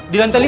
di lantai lima